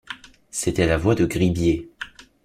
C’était la voix de Gribier.